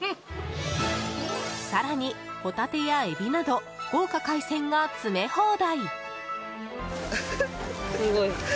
更にホタテやエビなど豪華海鮮が詰め放題！